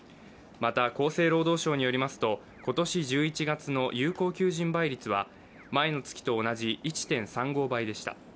また、厚生労働省によりますと、今年１１月の有効求人倍率は前の月と同じ１．３５倍でした。